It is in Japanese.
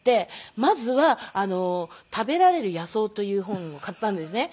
まずは『食べられる野草』という本を買ったんですね。